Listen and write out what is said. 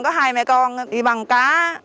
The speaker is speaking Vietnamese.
có hai mẹ con đi bằng cá